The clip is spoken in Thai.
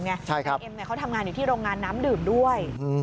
นายเอ็มเขาทำงานอยู่ที่โรงงานน้ำดื่มด้วย